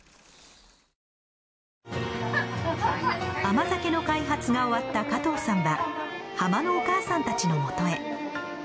甘酒の開発が終わった加藤さんは浜のお母さんたちのもとへ。